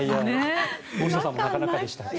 大下さんもなかなかでした。